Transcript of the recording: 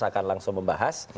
akan langsung membahas